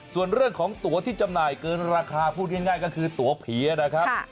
ส่วนเรื่องของตัวที่จำหน่ายเกินราคาพูดง่ายก็คือตัวผีนะครับ